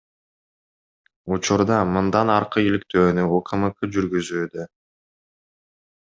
Учурда мындан аркы иликтөөнү УКМК жүргүзүүдө.